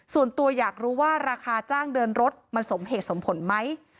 ส่วนตัวอยากรู้ว่าราคาจ้างเดินรถมันสมเหตุสมผลไหม